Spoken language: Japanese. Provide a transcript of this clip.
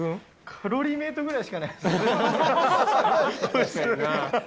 カロリーメイトぐらいしかない。